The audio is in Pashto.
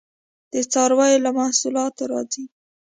د څارویو له محصولاتو راځي